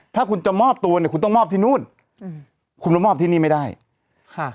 ถ้าคุณจะมอบตัวเนี่ยคุณต้องมอบที่นู่นอืมคุณมามอบที่นี่ไม่ได้ค่ะ